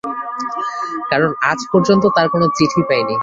কারণ আজ পর্যন্ত তাঁর কোন চিঠি পাইনি।